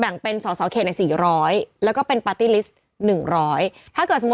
อ่าอ่าอ่าอ่าอ่าอ่าอ่า